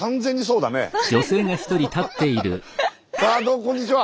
どうもこんにちは。